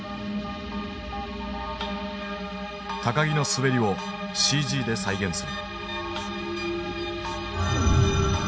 木の滑りをＣＧで再現する。